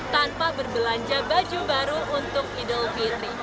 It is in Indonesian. tanpa berbelanja baju baru untuk idul fitri